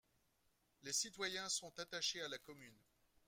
Les citoyens sont attachés à la commune.